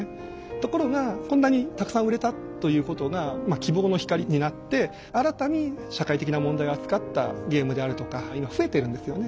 ところがこんなにたくさん売れたということがまあ希望の光になって新たに社会的な問題を扱ったゲームであるとか今増えてるんですよね。